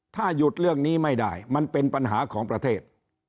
ถ้าหยุดเรื่องนี้ไม่ได้มันเป็นปัญหาของประเทศ